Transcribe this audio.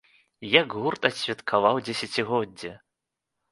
Як гурт адсвяткаваў дзесяцігоддзе?